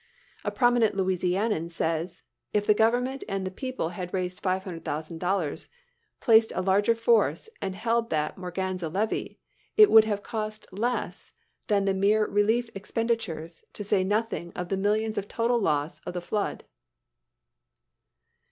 A prominent Louisianian says: "If the government and the people had raised $500,000, placed a larger force, and held that Morganza levee, it would have cost less than the mere relief expenditures, to say nothing of the millions of total loss of the flood."